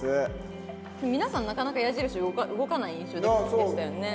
皆さんなかなか矢印動かない印象でしたよね。